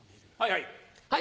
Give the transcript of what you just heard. はいはい！